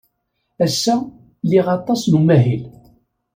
Ass-a, liɣ aṭas n umahil.